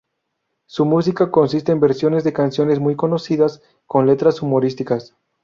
Su música consiste en versiones de canciones muy conocidas con letras humorísticas.